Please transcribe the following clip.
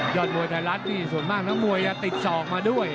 ยอดมวยไทยรัฐนี่ส่วนมากทั้งมวยติดสอกมาด้วย